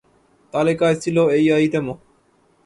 তালিকায় ছিল এই আইটেমও।